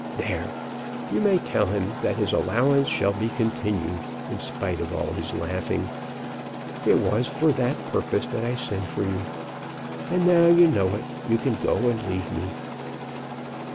There! you may tell him that his allowance shall be continued, in spite of all his laughing. It was for that purpose that I sent for you. And, now you know it, you can go and leave me."